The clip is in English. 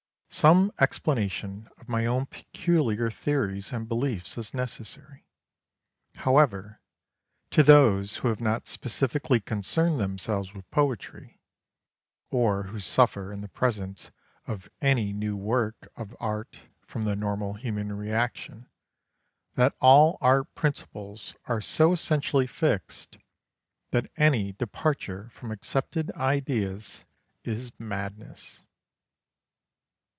Some explanation of my own peculiar theories and beliefs is necessary, however, to those who have not specifically concerned themselves with poetry, or who suffer in the presence of any new work of art from the normal human reaction that all art principles are so essentially fixed that any departure from accepted ideas is madness.